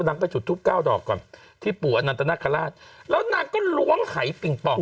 นางไปจุดทูปเก้าดอกก่อนที่ปู่อนันตนาคาราชแล้วนางก็ล้วงหายปิงปอง